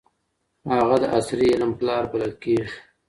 هغه د "عصري علم" پلار بلل کېږي.